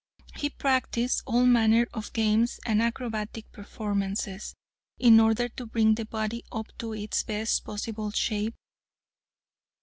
He practiced all manner of games and acrobatic performances, in order to bring the body up to its best possible shape.